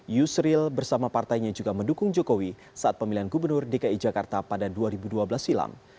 yusril bersama partainya juga mendukung jokowi saat pemilihan gubernur dki jakarta pada dua ribu dua belas silam